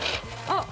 あっ！